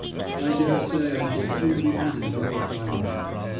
I dare say I shall soon be contented with my lot.